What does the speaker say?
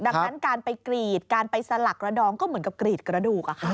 ดังนั้นการไปกรีดการไปสลักกระดองก็เหมือนกับกรีดกระดูก